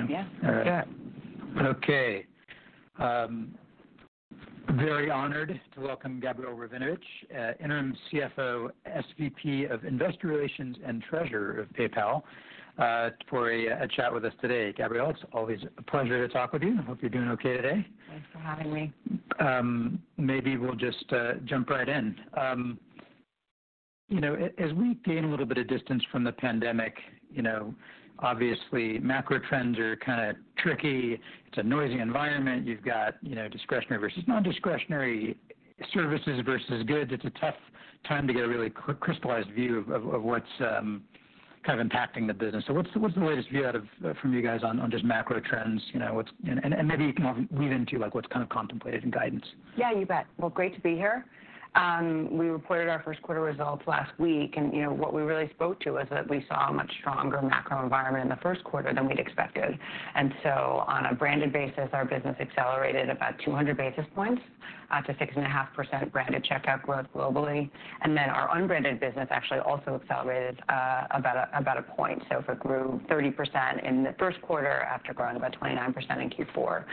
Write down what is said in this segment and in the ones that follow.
Live right now? Yeah. All right. Okay. Okay. very honored to welcome Gabrielle Rabinovitch, Interim CFO, SVP of Investor Relations and Treasurer of PayPal, for a chat with us today. Gabrielle, it's always a pleasure to talk with you. I hope you're doing okay today. Thanks for having me. Maybe we'll just jump right in. You know, as we gain a little bit of distance from the pandemic, you know, obviously macro trends are kinda tricky. It's a noisy environment. You've got, you know, discretionary versus non-discretionary services versus goods. It's a tough time to get a really crystallized view of what's kind of impacting the business. What's the latest view out of, from you guys on just macro trends? And maybe you can weave into, like, what's kind of contemplated in guidance. Yeah, you bet. Well, great to be here. We reported our 1st quarter results last week, you know, what we really spoke to was that we saw a much stronger macro environment in the 1st quarter than we'd expected. On a branded basis, our business accelerated about 200 basis points to 6.5% branded checkout growth globally. Our unbranded business actually also accelerated about a point. It grew 30% in the 1st quarter after growing about 29% in Q4.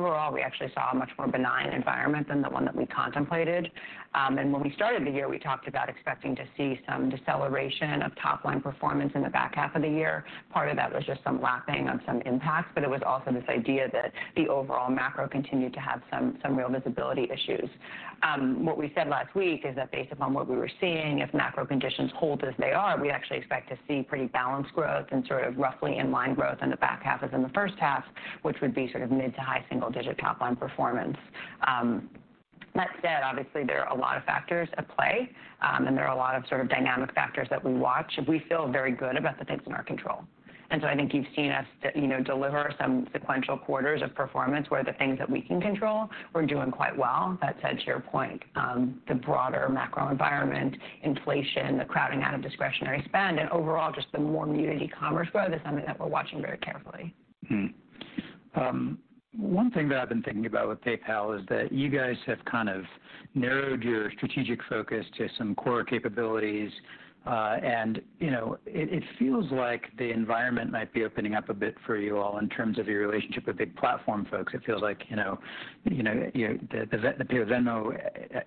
Overall, we actually saw a much more benign environment than the one that we contemplated. When we started the year, we talked about expecting to see some deceleration of top-line performance in the back half of the year. Part of that was just some lapping of some impacts, but it was also this idea that the overall macro continued to have some real visibility issues. What we said last week is that based upon what we were seeing, if macro conditions hold as they are, we actually expect to see pretty balanced growth and sort of roughly in line growth in the back half as in the first half, which would be sort of mid to high single-digit top-line performance. That said, obviously there are a lot of factors at play, there are a lot of sort of dynamic factors that we watch, and we feel very good about the things in our control. I think you've seen us, you know, deliver some sequential quarters of performance where the things that we can control were doing quite well. That said to your point, the broader macro environment, inflation, the crowding out of discretionary spend, and overall just the more muted e-commerce growth is something that we're watching very carefully. One thing that I've been thinking about with PayPal is that you guys have kind of narrowed your strategic focus to some core capabilities. You know, it feels like the environment might be opening up a bit for you all in terms of your relationship with big platform folks. It feels like, the Pay with Venmo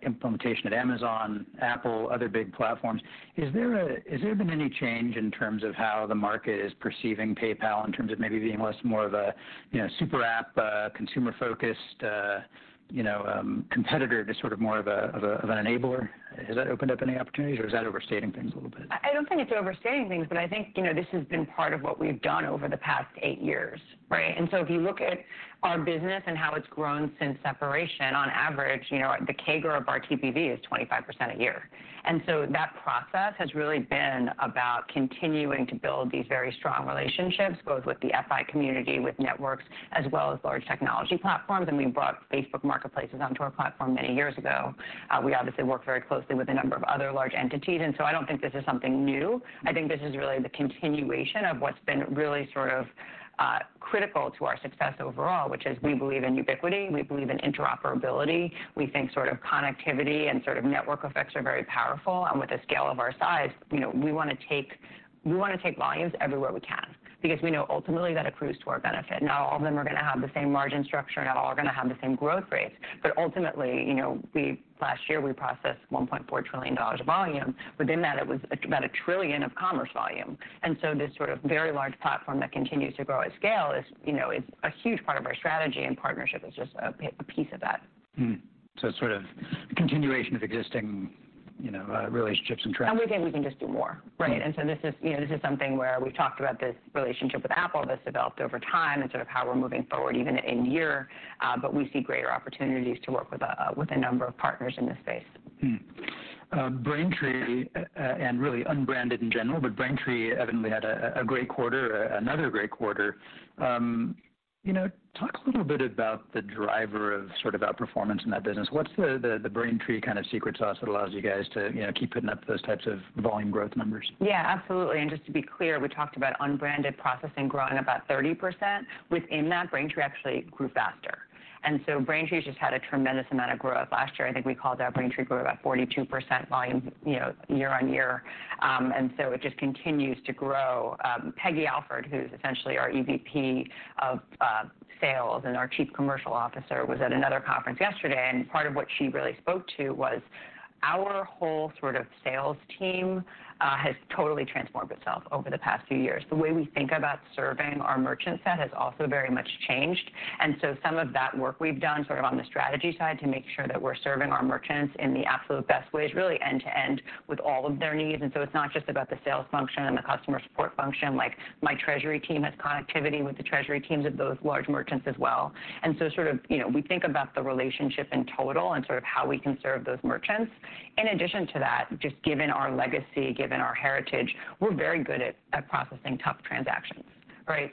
implementation at Amazon, Apple, other big platforms. Has there been any change in terms of how the market is perceiving PayPal in terms of maybe being less, more of a super app, consumer-focused, you know, competitor to sort of more of a of an enabler? Has that opened up any opportunities, or is that overstating things a little bit? I don't think it's overstating things, but I think, you know, this has been part of what we've done over the past eight years, right? If you look at our business and how it's grown since separation, on average, you know, the CAGR of our TPV is 25% a year. That process has really been about continuing to build these very strong relationships, both with the FI community, with networks, as well as large technology platforms, and we brought Facebook Marketplace onto our platform many years ago. We obviously work very closely with a number of other large entities, and so I don't think this is something new. I think this is really the continuation of what's been really sort of critical to our success overall, which is we believe in ubiquity, we believe in interoperability, we think sort of connectivity and sort of network effects are very powerful, and with a scale of our size, you know, we wanna take volumes everywhere we can because we know ultimately that accrues to our benefit. Not all of them are gonna have the same margin structure, not all are gonna have the same growth rates, but ultimately, you know, we last year, we processed $1.4 trillion of volume. Within that, it was about $1 trillion of commerce volume. This sort of very large platform that continues to grow at scale is, you know, is a huge part of our strategy, and partnership is just a piece of that. Sort of a continuation of existing, you know, relationships and trends. We think we can just do more, right? This is, you know, this is something where we've talked about this relationship with Apple that's developed over time and sort of how we're moving forward even in year. We see greater opportunities to work with a number of partners in this space. Braintree, and really unbranded in general, but Braintree evidently had a great quarter, another great quarter. You know, talk a little bit about the driver of sort of outperformance in that business. What's the Braintree kinda secret sauce that allows you guys to, you know, keep putting up those types of volume growth numbers? Yeah, absolutely. Just to be clear, we talked about unbranded processing growing about 30%. Within that, Braintree actually grew faster. Braintree's just had a tremendous amount of growth. Last year, I think we called out Braintree grew about 42% volume, you know, year-over-year. It just continues to grow. Peggy Alford, who's essentially our EVP of Sales and our Chief Commercial Officer, was at another conference yesterday, and part of what she really spoke to was our whole sort of sales team has totally transformed itself over the past few years. The way we think about serving our merchant set has also very much changed. Some of that work we've done sort of on the strategy side to make sure that we're serving our merchants in the absolute best ways, really end-to-end with all of their needs. It's not just about the sales function and the customer support function. Like, my treasury team has connectivity with the treasury teams of those large merchants as well. Sort of, you know, we think about the relationship in total and sort of how we can serve those merchants. In addition to that, just given our legacy, given our heritage, we're very good at processing tough transactions, right?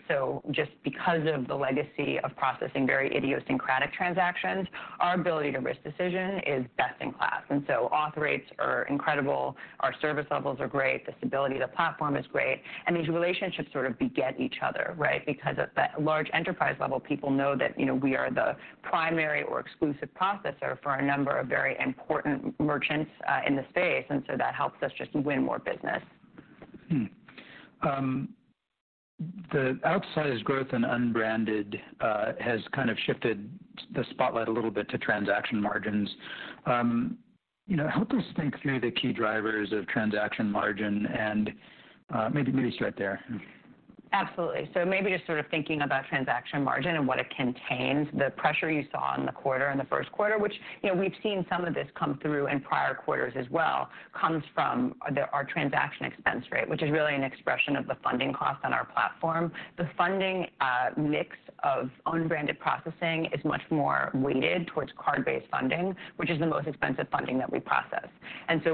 Just because of the legacy of processing very idiosyncratic transactions, our ability to risk decision is best in class. Auth rates are incredible, our service levels are great, the stability of the platform is great, and these relationships sort of beget each other, right? Because at that large enterprise level, people know that, you know, we are the primary or exclusive processor for a number of very important merchants in the space, and so that helps us just win more business. The outsized growth in unbranded has kind of shifted the spotlight a little bit to transaction margins. You know, help us think through the key drivers of transaction margin and maybe start there. Absolutely. Maybe just sort of thinking about transaction margin and what it contains, the pressure you saw in the quarter, in the first quarter, which, you know, we've seen some of this come through in prior quarters as well, comes from our transaction expense rate, which is really an expression of the funding cost on our platform. The funding mix of unbranded processing is much more weighted towards card-based funding, which is the most expensive funding that we process.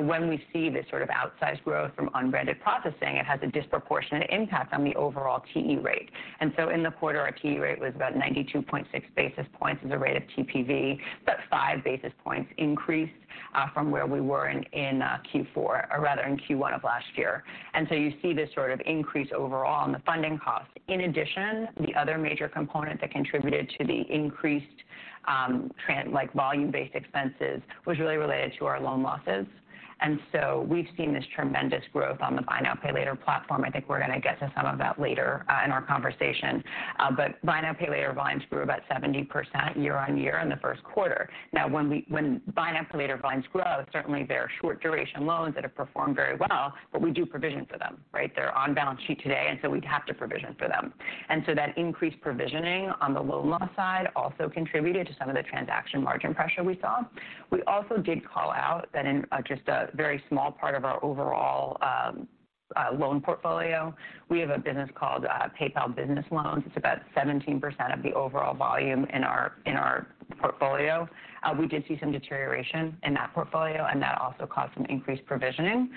When we see this sort of outsized growth from unbranded processing, it has a disproportionate impact on the overall TE rate. In the quarter, our TE rate was about 92.6 basis points as a rate of TPV, that's five basis points increased from where we were in Q4 or rather in Q1 of last year. You see this sort of increase overall on the funding cost. In addition, the other major component that contributed to the increased, like, volume-based expenses was really related to our loan losses. We've seen this tremendous growth on the buy now, pay later platform. I think we're gonna get to some of that later in our conversation. buy now, pay later volumes grew about 70% year-on-year in the first quarter. Now, when buy now, pay later volumes grow, certainly they're short-duration loans that have performed very well, but we do provision for them, right? They're on balance sheet today, and so we'd have to provision for them. That increased provisioning on the loan loss side also contributed to some of the transaction margin pressure we saw. We also did call out that in just a very small part of our overall loan portfolio, we have a business called PayPal Business Loan. It's about 17% of the overall volume in our portfolio. We did see some deterioration in that portfolio, and that also caused some increased provisioning.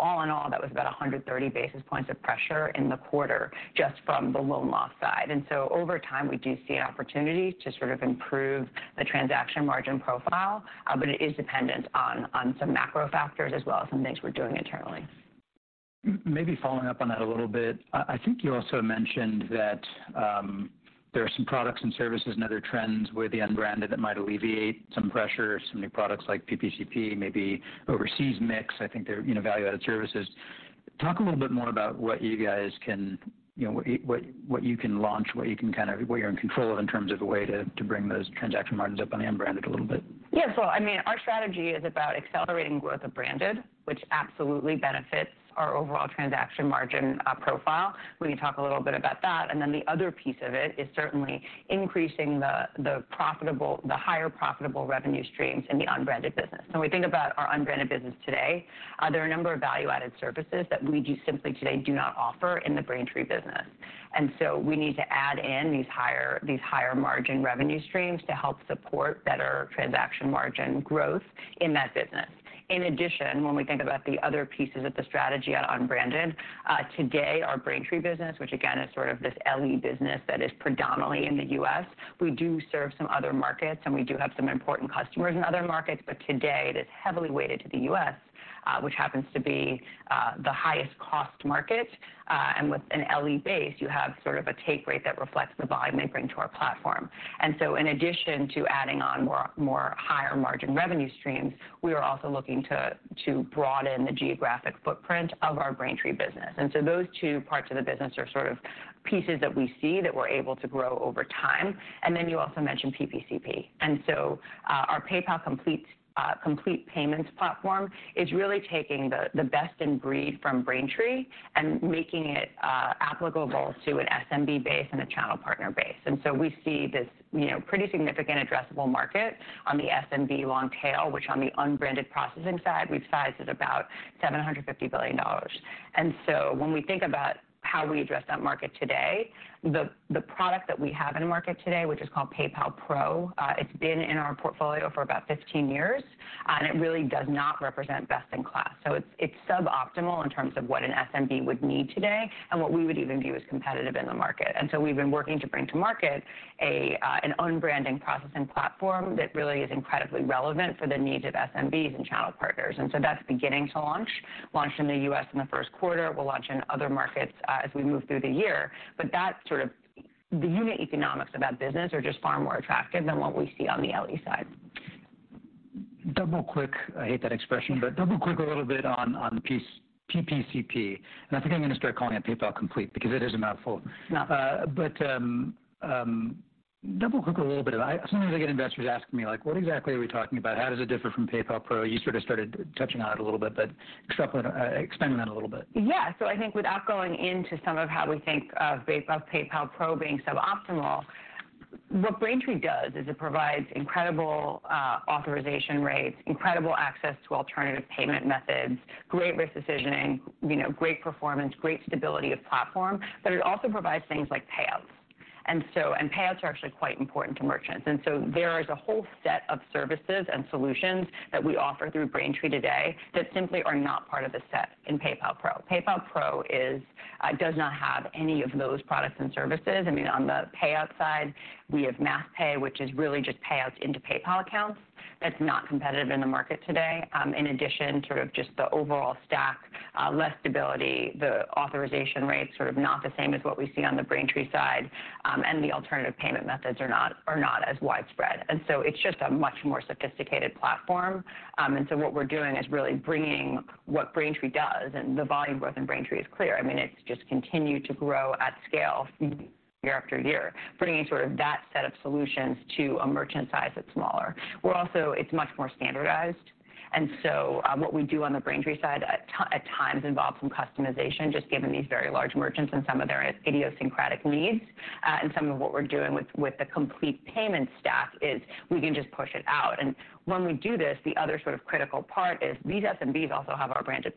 All in all, that was about 130 basis points of pressure in the quarter just from the loan loss side. Over time, we do see an opportunity to sort of improve the transaction margin profile, but it is dependent on some macro factors as well as some things we're doing internally. Maybe following up on that a little bit, I think you also mentioned that there are some products and services and other trends with the unbranded that might alleviate some pressure, some new products like PPCP, maybe overseas mix. I think they're, you know, value-added services. Talk a little bit more about what you guys can, you know, what you can launch, what you can kind of what you're in control of in terms of a way to bring those transaction margins up on unbranded a little bit. Our strategy is about accelerating growth of branded, which absolutely benefits our overall transaction margin profile. We can talk a little bit about that, and then the other piece of it is certainly increasing the higher profitable revenue streams in the unbranded business. When we think about our unbranded business today, there are a number of value-added services that we do simply today do not offer in the Braintree business. We need to add in these higher margin revenue streams to help support better transaction margin growth in that business. When we think about the other pieces of the strategy on unbranded, today, our Braintree business, which again is sort of this LE business that is predominantly in the U.S., we do serve some other markets, and we do have some important customers in other markets, but today it is heavily weighted to the U.S., which happens to be the highest cost market. With an LE base, you have sort of a take rate that reflects the volume they bring to our platform. In addition to adding on more higher margin revenue streams, we are also looking to broaden the geographic footprint of our Braintree business. Those two parts of the business are sort of pieces that we see that we're able to grow over time. You also mentioned PPCP. Our PayPal Complete Payments platform is really taking the best in breed from Braintree and making it applicable to an SMB base and a channel partner base. We see this, you know, pretty significant addressable market on the SMB long tail, which on the unbranded processing side, we've sized at about $750 billion. When we think about how we address that market today, the product that we have in the market today, which is called PayPal Pro, it's been in our portfolio for about 15 years, and it really does not represent best in class. It's suboptimal in terms of what an SMB would need today and what we would even view as competitive in the market. We've been working to bring to market a, an unbranded processing platform that really is incredibly relevant for the needs of SMBs and channel partners. That's beginning to launch. Launched in the US in the first quarter. Will launch in other markets, as we move through the year. That sort of, the unit economics of that business are just far more attractive than what we see on the LE side. Double quick. I hate that expression. Double quick a little bit on the piece, PPCP, and I think I'm gonna start calling it PayPal Complete because it is a mouthful. Yeah. Double quick a little bit. I sometimes get investors asking me, like, "What exactly are we talking about? How does it differ from PayPal Pro?" You sort of started touching on it a little bit, but expand on that a little bit. Yeah. I think without going into some of how we think of PayPal Pro being suboptimal, what Braintree does is it provides incredible authorization rates, incredible access to alternative payment methods, great risk decisioning, you know, great performance, great stability of platform, but it also provides things like payouts. Payouts are actually quite important to merchants. There is a whole set of services and solutions that we offer through Braintree today that simply are not part of the set in PayPal Pro. PayPal Pro is does not have any of those products and services. I mean, on the payout side, we have Mass Pay, which is really just payouts into PayPal accounts. That's not competitive in the market today. In addition, sort of just the overall stack, less stability, the authorization rates sort of not the same as what we see on the Braintree side, and the alternative payment methods are not as widespread. It's just a much more sophisticated platform. What we're doing is really bringing what Braintree does and the volume growth in Braintree is clear. I mean, it's just continued to grow at scale year after year, bringing sort of that set of solutions to a merchant size that's smaller. It's much more standardized. What we do on the Braintree side at times involves some customization, just given these very large merchants and some of their idiosyncratic needs. Some of what we're doing with the complete payment stack is we can just push it out. When we do this, the other sort of critical part is these SMBs also have our branded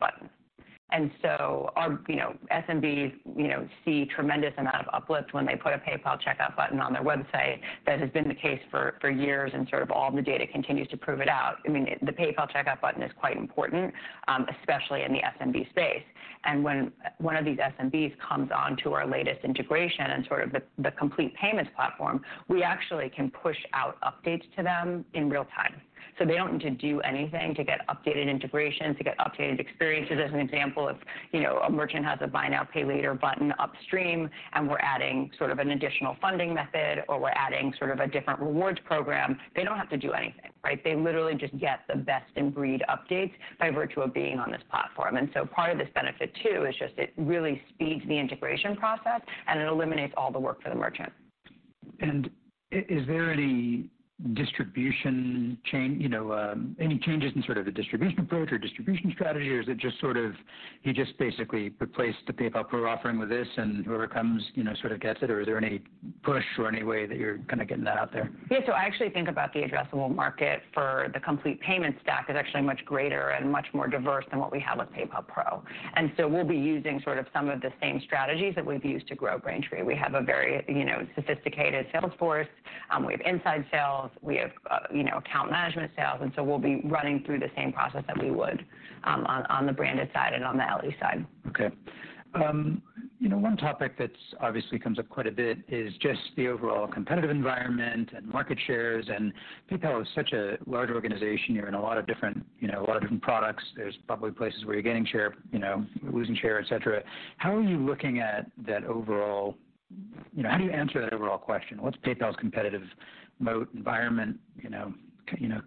button. Our, you know, SMBs, you know, see tremendous amount of uplift when they put a PayPal checkout button on their website that has been the case for years, and sort of all the data continues to prove it out. I mean, the PayPal checkout button is quite important, especially in the SMB space. When one of these SMBs comes onto our latest integration and sort of the Complete Payments platform, we actually can push out updates to them in real time. They don't need to do anything to get updated integrations, to get updated experiences. As an example, if, you know, a merchant has a buy now, pay later button upstream, and we're adding sort of an additional funding method or we're adding sort of a different rewards program, they don't have to do anything, right? They literally just get the best in breed updates by virtue of being on this platform. Part of this benefit too is just it really speeds the integration process and it eliminates all the work for the merchant. Is there any distribution chain, you know, any changes in sort of the distribution approach or distribution strategy? Or is it just sort of you just basically replace the PayPal Pro offering with this and whoever comes, you know, sort of gets it? Or is there any push or any way that you're kind of getting that out there? Yeah. I actually think about the addressable market for the complete payment stack is actually much greater and much more diverse than what we have with PayPal Pro. We'll be using sort of some of the same strategies that we've used to grow Braintree. We have a very, you know, sophisticated sales force, we have inside sales, we have, you know, account management sales. We'll be running through the same process that we would, on the branded side and on the LE side. Okay. you know, one topic that's obviously comes up quite a bit is just the overall competitive environment and market shares, PayPal is such a large organization, you're in a lot of different, you know, a lot of different products. There's probably places where you're gaining share, you know, losing share, et cetera. How are you looking at that overall? You know, how do you answer that overall question? What's PayPal's competitive moat, environment, you know,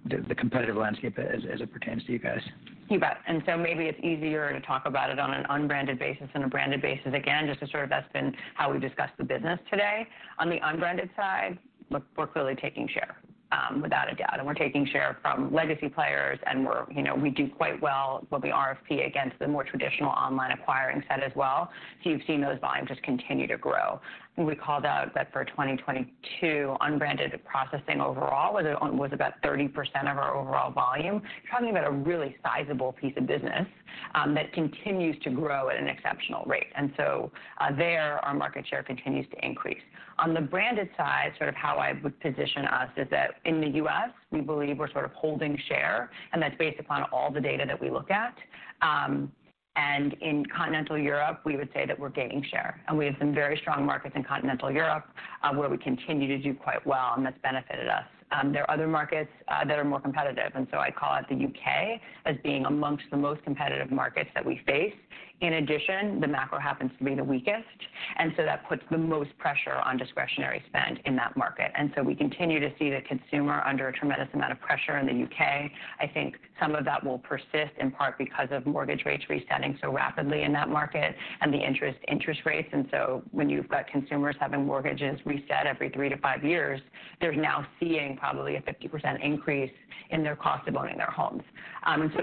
the competitive landscape as it pertains to you guys? You bet. Maybe it's easier to talk about it on an unbranded basis than a branded basis. Again, just to sort of that's been how we've discussed the business today. On the unbranded side, look, we're clearly taking share, without a doubt. We're taking share from legacy players and we're, you know, we do quite well when we RFP against the more traditional online acquiring set as well. You've seen those volumes just continue to grow. When we called out that for 2022, unbranded processing overall was about 30% of our overall volume, you're talking about a really sizable piece of business that continues to grow at an exceptional rate. There, our market share continues to increase. On the branded side, sort of how I would position us is that in the U.S., we believe we're sort of holding share, and that's based upon all the data that we look at. In continental Europe, we would say that we're gaining share. We have some very strong markets in continental Europe, where we continue to do quite well, and that's benefited us. There are other markets that are more competitive, I'd call out the U.K. as being amongst the most competitive markets that we face. In addition, the macro happens to be the weakest, that puts the most pressure on discretionary spend in that market. We continue to see the consumer under a tremendous amount of pressure in the U.K. I think some of that will persist in part because of mortgage rates resetting so rapidly in that market and the interest rates. When you've got consumers having mortgages reset every three to five years, they're now seeing probably a 50% increase in their cost of owning their homes.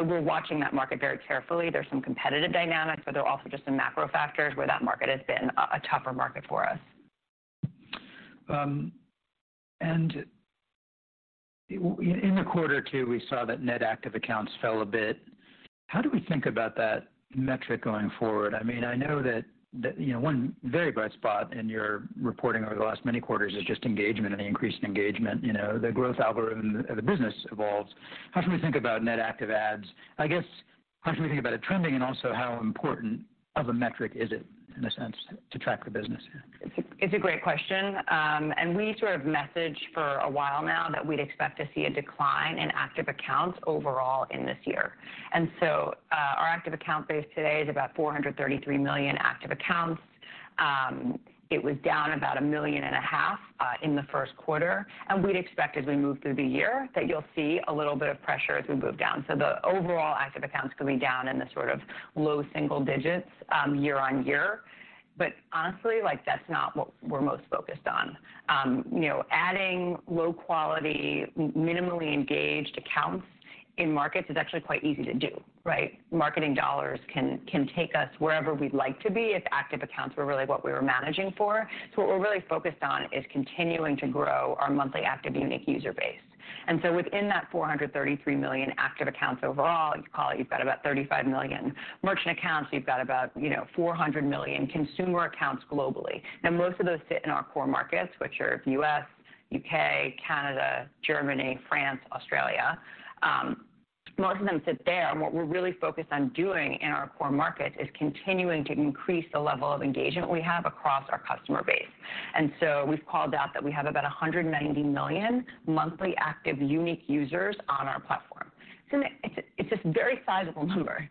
We're watching that market very carefully. There's some competitive dynamics, but there are also just some macro factors where that market has been a tougher market for us. In the quarter two, we saw that net active accounts fell a bit. How do we think about that metric going forward? I mean, I know that, you know, one very bright spot in your reporting over the last many quarters is just engagement and the increased engagement. You know, the growth algorithm of the business evolves. How should we think about net active adds? I guess, how should we think about it trending, and also how important of a metric is it, in a sense, to track the business? It's a great question. We sort of messaged for a while now that we'd expect to see a decline in active accounts overall in this year. Our active account base today is about 433 million active accounts. It was down about a million and a half in the 1st quarter, and we'd expect as we move through the year that you'll see a little bit of pressure as we move down. The overall active accounts could be down in the sort of low single digits year-on-year. Honestly, like, that's not what we're most focused on. You know, adding low-quality, minimally engaged accounts in markets is actually quite easy to do, right? Marketing dollars can take us wherever we'd like to be if active accounts were really what we were managing for. What we're really focused on is continuing to grow our monthly active unique user base. Within that 433 million active accounts overall, you'd call it you've got about 35 million merchant accounts, you've got about, you know, 400 million consumer accounts globally. Most of those sit in our core markets, which are the U.S., U.K., Canada, Germany, France, Australia. Most of them sit there, and what we're really focused on doing in our core markets is continuing to increase the level of engagement we have across our customer base. We've called out that we have about 190 million monthly active unique users on our platform. It's this very sizable number.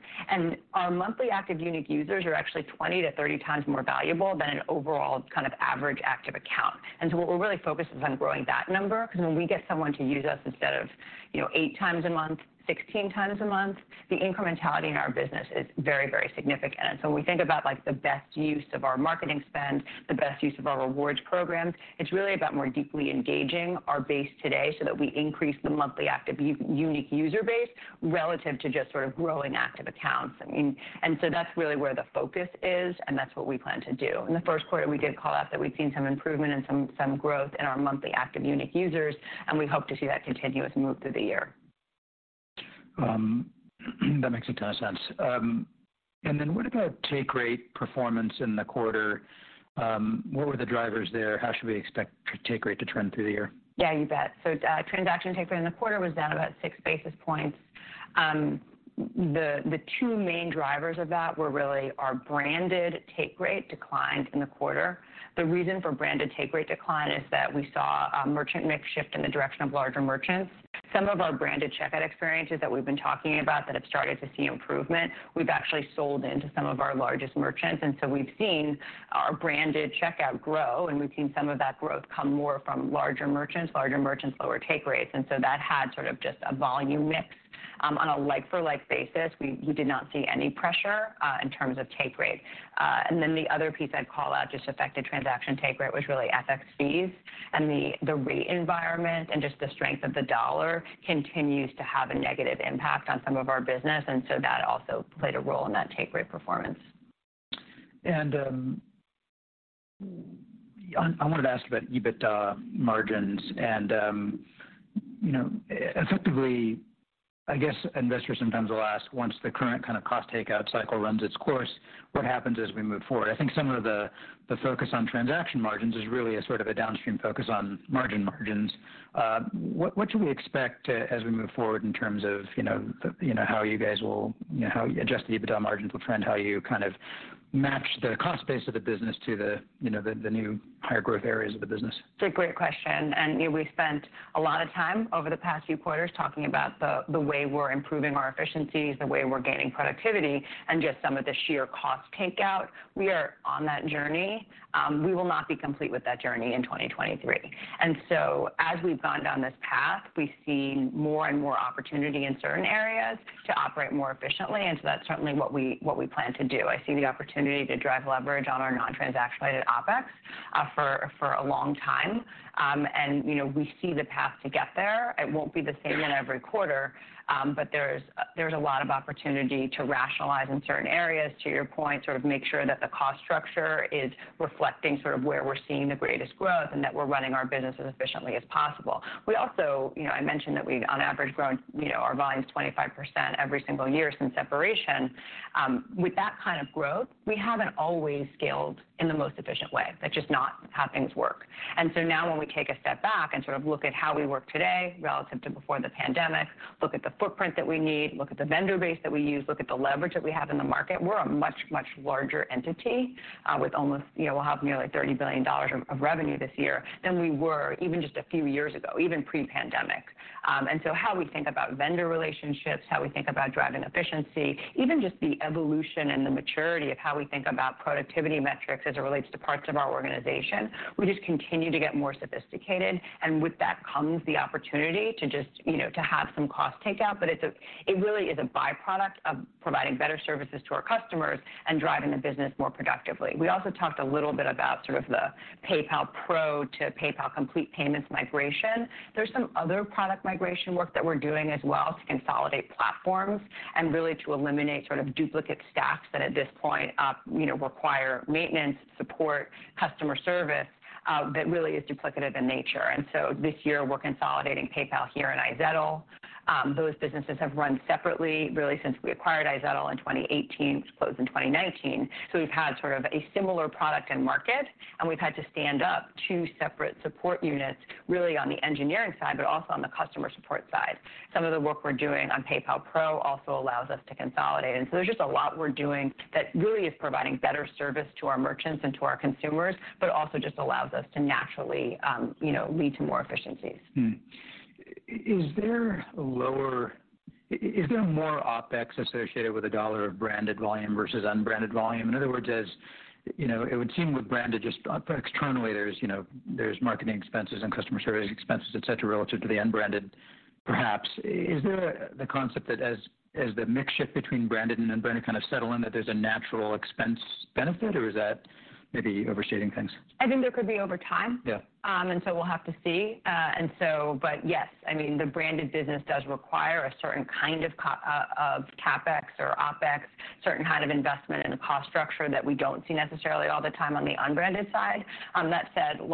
Our monthly active unique users are actually 20-30 times more valuable than an overall kind of average active account. What we're really focused is on growing that number, 'cause when we get someone to use us instead of, you know, 8 times a month, 16 times a month. The incrementality in our business is very, very significant. When we think about, like, the best use of our marketing spend, the best use of our rewards program, it's really about more deeply engaging our base today so that we increase the monthly active unique users relative to just sort of growing active accounts. I mean, that's really where the focus is, and that's what we plan to do. In the first quarter, we did call out that we'd seen some improvement and some growth in our monthly active unique users, and we hope to see that continue as we move through the year. That makes a ton of sense. What about take rate performance in the quarter? What were the drivers there? How should we expect take rate to trend through the year? Yeah, you bet. Transaction take rate in the quarter was down about 6 basis points. The 2 main drivers of that were really our branded take rate declined in the quarter. The reason for branded take rate decline is that we saw a merchant mix shift in the direction of larger merchants. Some of our branded checkout experiences that we've been talking about that have started to see improvement, we've actually sold into some of our largest merchants. We've seen our branded checkout grow, and we've seen some of that growth come more from larger merchants, lower take rates. That had sort of just a volume mix. On a like-for-like basis, we did not see any pressure in terms of take rate. The other piece I'd call out just affected transaction take rate was really FX fees and the rate environment and just the strength of the dollar continues to have a negative impact on some of our business. That also played a role in that take rate performance. I wanted to ask about EBITDA margins and, you know, effectively, I guess investors sometimes will ask, once the current kind of cost takeout cycle runs its course, what happens as we move forward? I think some of the focus on transaction margins is really a sort of a downstream focus on margin. What should we expect as we move forward in terms of, you know, how you guys will, you know, how you adjust the EBITDA margins with trend, how you kind of match the cost base of the business to the, you know, the new higher growth areas of the business? It's a great question. You know, we spent a lot of time over the past few quarters talking about the way we're improving our efficiencies, the way we're gaining productivity, and just some of the sheer cost takeout. We are on that journey. We will not be complete with that journey in 2023. As we've gone down this path, we've seen more and more opportunity in certain areas to operate more efficiently, and so that's certainly what we plan to do. I see the opportunity to drive leverage on our non-transaction related OpEx for a long time. You know, we see the path to get there. It won't be the same in every quarter. There's a lot of opportunity to rationalize in certain areas, to your point, sort of make sure that the cost structure is reflecting sort of where we're seeing the greatest growth and that we're running our business as efficiently as possible. We also, you know, I mentioned that we'd on average grown, you know, our volumes 25% every single year since separation. With that kind of growth, we haven't always scaled in the most efficient way. That's just not how things work. Now when we take a step back and sort of look at how we work today relative to before the pandemic, look at the footprint that we need, look at the vendor base that we use, look at the leverage that we have in the market, we're a much, much larger entity, with almost, you know, we'll have nearly $30 billion of revenue this year than we were even just a few years ago, even pre-pandemic. How we think about vendor relationships, how we think about driving efficiency, even just the evolution and the maturity of how we think about productivity metrics as it relates to parts of our organization, we just continue to get more sophisticated. With that comes the opportunity to just, you know, to have some cost takeout. It really is a by-product of providing better services to our customers and driving the business more productively. We also talked a little bit about sort of the PayPal Pro to PayPal Complete Payments migration. There's some other product migration work that we're doing as well to consolidate platforms and really to eliminate sort of duplicate stacks that at this point, you know, require maintenance, support, customer service, that really is duplicative in nature. This year, we're consolidating PayPal Here and iZettle. Those businesses have run separately really since we acquired iZettle in 2018, closed in 2019. We've had sort of a similar product and market, and we've had to stand up two separate support units really on the engineering side, but also on the customer support side. Some of the work we're doing on PayPal Pro also allows us to consolidate. There's just a lot we're doing that really is providing better service to our merchants and to our consumers, but also just allows us to naturally, you know, lead to more efficiencies. Is there more OpEx associated with $1 of branded volume versus unbranded volume? In other words, as you know, it would seem with branded just externally, there's marketing expenses and customer service expenses, et cetera, relative to the unbranded perhaps. Is there the concept that as the mix shift between branded and unbranded kind of settle in, that there's a natural expense benefit, or is that maybe overstating things? I think there could be over time. Yeah. We'll have to see. Yes, I mean, the branded business does require a certain kind of CapEx or OpEx, certain kind of investment in the cost structure that we don't see necessarily all the time on the unbranded side. That said,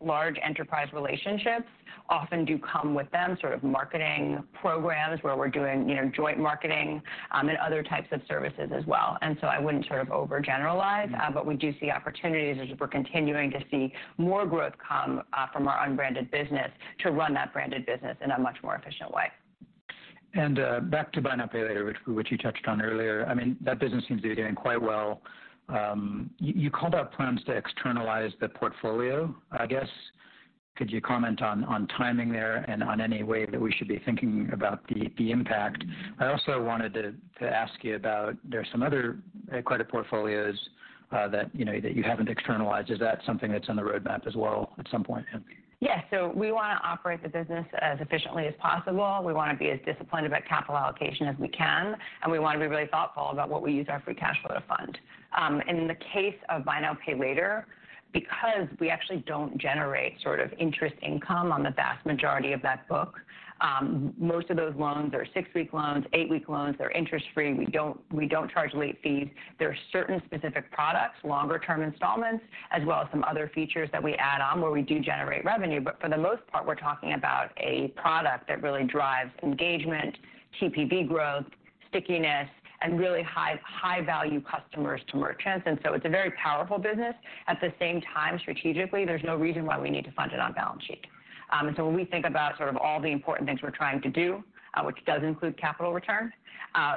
large enterprise relationships often do come with them, sort of marketing programs where we're doing, you know, joint marketing, and other types of services as well. I wouldn't sort of overgeneralize. We do see opportunities as we're continuing to see more growth come from our unbranded business to run that branded business in a much more efficient way. Back to buy now, pay later, which you touched on earlier. I mean, that business seems to be doing quite well. You called out plans to externalize the portfolio, I guess. Could you comment on timing there and on any way that we should be thinking about the impact? I also wanted to ask you about there are some other credit portfolios that, you know, you haven't externalized. Is that something that's on the roadmap as well at some point? We wanna operate the business as efficiently as possible. We wanna be as disciplined about capital allocation as we can, and we wanna be really thoughtful about what we use our free cash flow to fund. And in the case of buy now, pay later, because we actually don't generate sort of interest income on the vast majority of that book, most of those loans are six-week loans, eight-week loans. They're interest-free. We don't charge late fees. There are certain specific products, longer-term installments, as well as some other features that we add on where we do generate revenue. For the most part, we're talking about a product that really drives engagement, TPV growth, stickiness, and really high, high-value customers to merchants. It's a very powerful business. At the same time, strategically, there's no reason why we need to fund it on balance sheet. When we think about sort of all the important things we're trying to do, which does include capital return,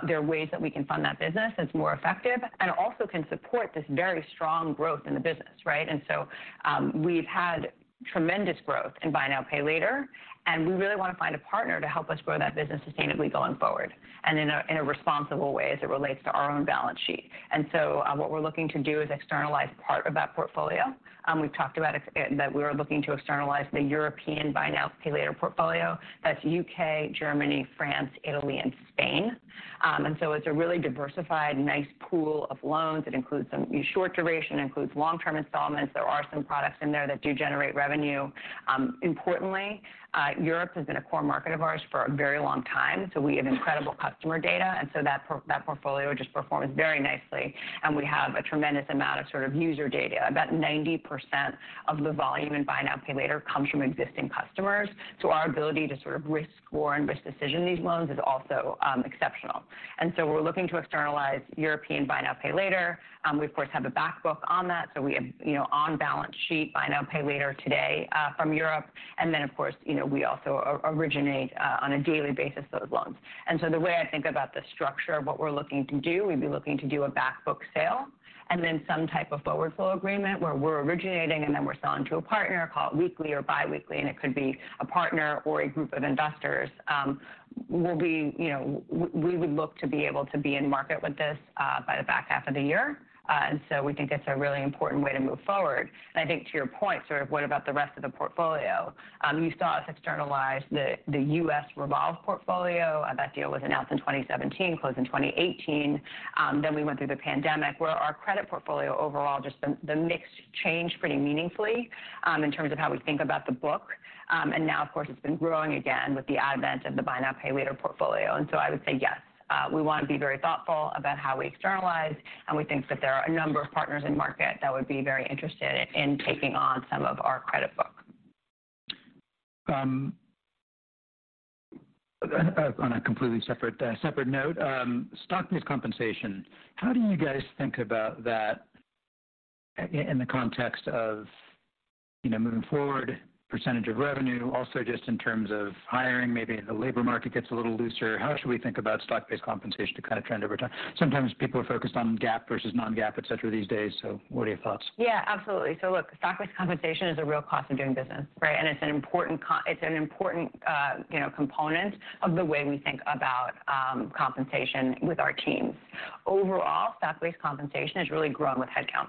there are ways that we can fund that business that's more effective and also can support this very strong growth in the business, right? We've had tremendous growth in buy now, pay later, and we really wanna find a partner to help us grow that business sustainably going forward and in a, in a responsible way as it relates to our own balance sheet. What we're looking to do is externalize part of that portfolio. We've talked about that we're looking to externalize the European buy now, pay later portfolio. That's UK, Germany, France, Italy, and Spain. It's a really diversified, nice pool of loans. It includes some short duration, includes long-term installments. There are some products in there that do generate revenue. Importantly, Europe has been a core market of ours for a very long time, so we have incredible customer data. That portfolio just performs very nicely. We have a tremendous amount of sort of user data. About 90% of the volume in buy now, pay later comes from existing customers, so our ability to sort of risk or invest decision in these loans is also exceptional. We're looking to externalize European buy now, pay later. We, of course, have a back book on that, so we have, you know, on-balance sheet buy now, pay later today from Europe. Of course, you know, we also originate on a daily basis those loans. The way I think about the structure of what we're looking to do, we'd be looking to do a back book sale and then some type of forward flow agreement where we're originating and then we're selling to a partner, call it weekly or biweekly, and it could be a partner or a group of investors. We'll be, you know, we would look to be able to be in market with this by the back half of the year. We think it's a really important way to move forward. I think to your point, sort of what about the rest of the portfolio? You saw us externalize the US revolve portfolio. That deal was announced in 2017, closed in 2018. We went through the pandemic where our credit portfolio overall just the mix changed pretty meaningfully in terms of how we think about the book. And now, of course, it's been growing again with the advent of the buy now, pay later portfolio. I would say yes, we wanna be very thoughtful about how we externalize, and we think that there are a number of partners in market that would be very interested in taking on some of our credit book. On a completely separate note, stock-based compensation, how do you guys think about that in the context of, you know, moving forward, percentage of revenue? Just in terms of hiring, maybe the labor market gets a little looser. How should we think about stock-based compensation to kind of trend over time? Sometimes people are focused on GAAP versus non-GAAP, et cetera, these days. What are your thoughts? Yeah. Absolutely. Look, stock-based compensation is a real cost of doing business, right? It's an important, you know, component of the way we think about compensation with our teams. Overall, stock-based compensation has really grown with headcount.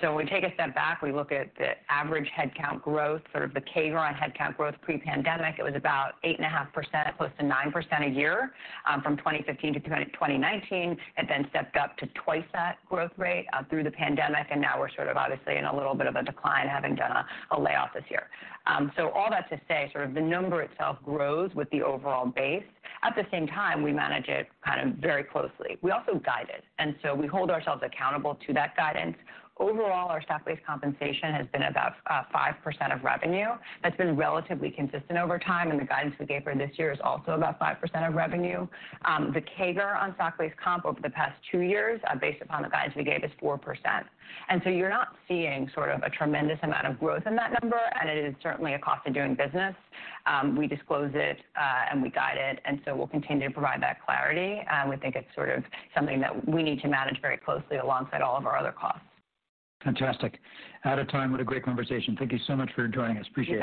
When we take a step back, we look at the average headcount growth, sort of the CAGR on headcount growth pre-pandemic, it was about 8.5%, close to 9% a year, from 2015 to 2019. It then stepped up to twice that growth rate through the pandemic, and now we're sort of obviously in a little bit of a decline, having done a layoff this year. All that to say sort of the number itself grows with the overall base. At the same time, we manage it kind of very closely. We also guide it, we hold ourselves accountable to that guidance. Overall, our stock-based compensation has been about 5% of revenue. That's been relatively consistent over time, and the guidance we gave for this year is also about 5% of revenue. The CAGR on stock-based comp over the past two years, based upon the guidance we gave, is 4%. You're not seeing sort of a tremendous amount of growth in that number, and it is certainly a cost of doing business. We disclose it, and we guide it, we'll continue to provide that clarity. We think it's sort of something that we need to manage very closely alongside all of our other costs. Fantastic. Out of time. What a great conversation. Thank you so much for joining us. Appreciate it.